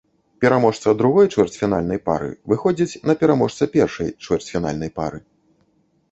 Пераможца другой чвэрцьфінальнай пары выходзіць на пераможца першай чвэрцьфінальнай пары.